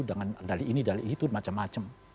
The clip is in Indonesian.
dengan dali ini dali itu macam macam